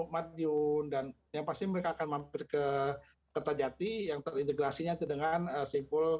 madiun dan yang pasti mereka akan mampir ke kota jati yang terintegrasinya dengan simbol